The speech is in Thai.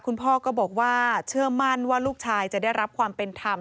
คุณพ่อก็บอกว่าเชื่อมั่นว่าลูกชายจะได้รับความเป็นธรรม